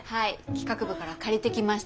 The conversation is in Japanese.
企画部から借りてきました。